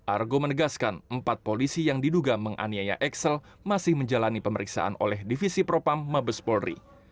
argo menegaskan empat polisi yang diduga menganiaya excel masih menjalani pemeriksaan oleh divisi propam mabes polri